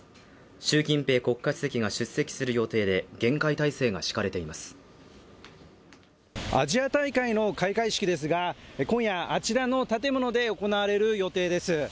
習近平国家主席が出席する予定で厳戒態勢が敷かれていますアジア大会の開会式ですが今夜あちらの建物で行われる予定です